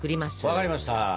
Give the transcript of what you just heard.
分かりました！